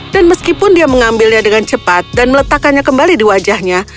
dan meskipun dia mengambilnya dengan cepat dan meletakkannya kembali di wajahnya